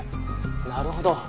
なるほど。